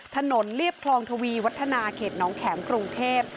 ถนนเหลียบทรองทวีวัฒนาเก่ดนองแข็งกรุงเทพ